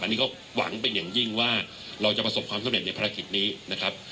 อันนี้ก็หวังเป็นอย่างยิ่งว่าเราจะประสบความสำเร็จในภารกิจนี้นะครับ